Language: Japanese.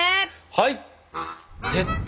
はい！